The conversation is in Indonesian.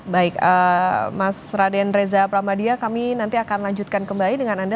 baik mas raden reza pramadia kami nanti akan lanjutkan kembali dengan anda